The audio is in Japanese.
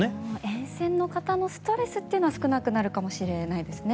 沿線の方のストレスというのは少なくなるかもしれないですね。